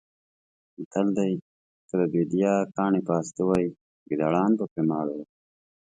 متل دی: که د بېدیا کاڼي پاسته وی ګېدړان به پرې ماړه وی.